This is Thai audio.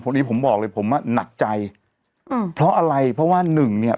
นี้ผมบอกเลยผมอ่ะหนักใจอืมเพราะอะไรเพราะว่าหนึ่งเนี้ย